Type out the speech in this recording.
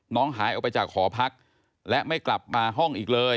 หายออกไปจากหอพักและไม่กลับมาห้องอีกเลย